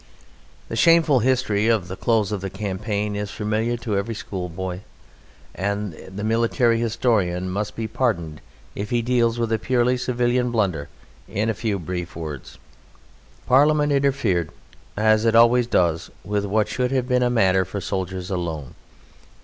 The shameful history of the close of the campaign is familiar to every schoolboy, and the military historian must be pardoned if he deals with a purely civilian blunder in a few brief words. Parliament interfered as it always does with what should have been a matter for soldiers alone.